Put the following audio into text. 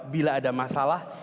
bila ada masalah